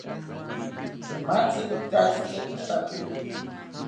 Tzimatzi ikatzitzi itapiki